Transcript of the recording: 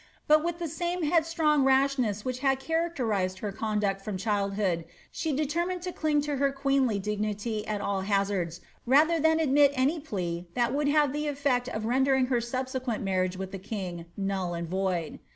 But with the same head itrong rashness which had characterized her conduct from childhood, the determined to cling to her queenly dignity at all hazards, rather than admit of any plea that would have the eifect of rendering her subse quent marriage with the king null and void.